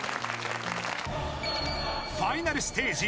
［ファイナルステージ。